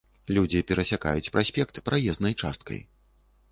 Людзі перасякаюць праспект праезнай часткай.